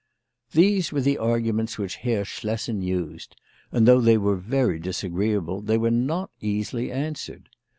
These were the arguments which Herr Schlessen used; and, though they were very disagreeable, they were not easily answered.